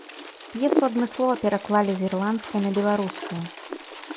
П'есу адмыслова пераклалі з ірландскай на беларускую.